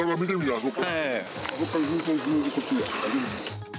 あそこからずっとあぜ道。